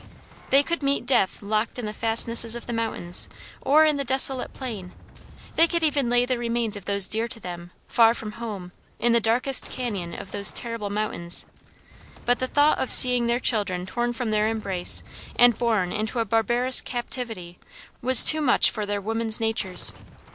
They could meet death locked in the fastnesses of the mountains, or in the desolate plain; they could even lay the remains of those dear to them, far from home, in the darkest cañon of those terrible mountains, but the thought of seeing their children torn from their embrace and borne into a barbarous captivity, was too much for their woman's natures.